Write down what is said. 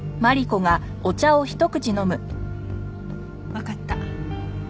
わかった。